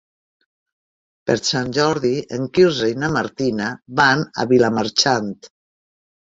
Per Sant Jordi en Quirze i na Martina van a Vilamarxant.